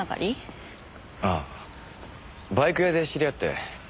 ああバイク屋で知り合って。